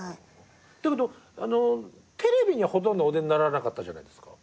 だけどテレビにはほとんどお出にならなかったじゃないですか。